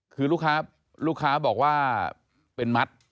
คือลูกค้าบอกว่าเป็นมัด